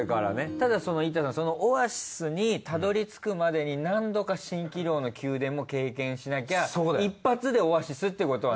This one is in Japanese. ただその板さんそのオアシスにたどり着くまでに何度か蜃気楼の宮殿も経験しなきゃ一発でオアシスってことは。